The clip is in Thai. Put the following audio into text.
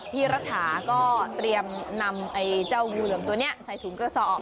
พี่รัฐาก็เตรียมนำไอ้เจ้างูเหลือมตัวนี้ใส่ถุงกระสอบ